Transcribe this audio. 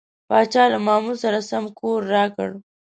پاچا له معمول سره سم کور راکړ.